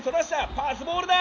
パスボールだ！